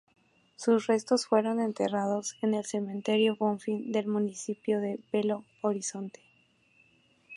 Sus restos fueron enterrados en el Cementerio Bonfim del municipio de Belo Horizonte.